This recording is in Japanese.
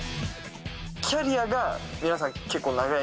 キャリアが皆さん結構長い？